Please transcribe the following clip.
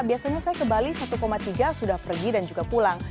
biasanya saya ke bali satu tiga sudah pergi dan juga pulang